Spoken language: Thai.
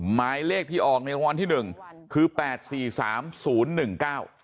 หมายเลขที่ออกในรางวัลที่หนึ่งคือแปดสี่สามศูนย์หนึ่งเก้า